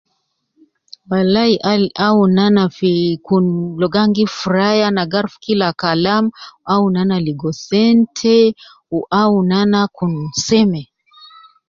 Walai Al aunu ana fi Kun logo ana gi furayi ana gi aruf Kila Kalam aunu ana ligo sente Wu aunu ana Kun seme